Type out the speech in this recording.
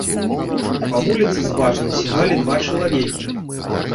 Па вуліцы зважна сігалі два чалавекі.